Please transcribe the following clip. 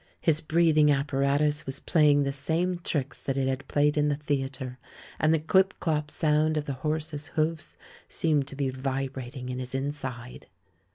His breathing appara tus was playing the same tricks that it had played in the theatre, and the clip clop sound of the horses' hoofs seemed to be vibrating in his in side.